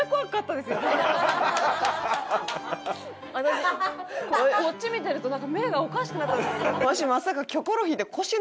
私こっち見てるとなんか目がおかしくなった。